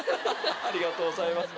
ありがとうございます。